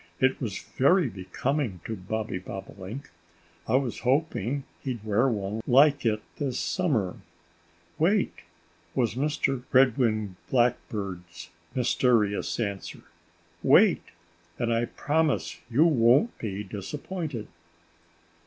"It was very becoming to Bobby Bobolink. I was hoping he'd wear one like it this summer." "Wait!" was Mr. Red winged Blackbird's mysterious answer. "Wait! And I promise you won't be disappointed."